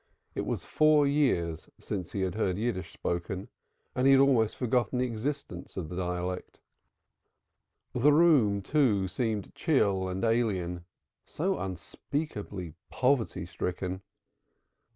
It was four years since he had heard Yiddish spoken, and he had almost forgotten the existence of the dialect The room, too, seemed chill and alien. so unspeakably poverty stricken.